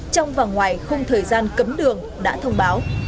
trong và ngoài không thời gian cấm đường đã thông báo